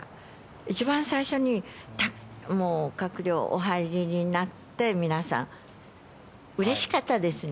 一番最初に、もう閣僚、お入りになって、皆さん、うれしかったですね。